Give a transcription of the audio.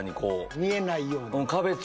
見えないように。